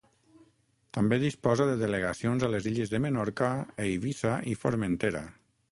També disposa de delegacions a les illes de Menorca, Eivissa i Formentera.